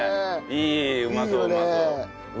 いいうまそううまそう。